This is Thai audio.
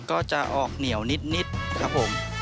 ก็จะออกเหนียวนิดครับผม